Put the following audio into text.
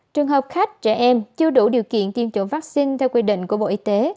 trường hợp khách trẻ em chưa đủ điều kiện tiêm chủng vaccine theo quy định của bộ y tế